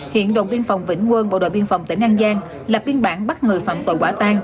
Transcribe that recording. hiện đồn biên phòng vĩnh quân bộ đội biên phòng tỉnh an giang lập biên bản bắt người phạm tội quả tan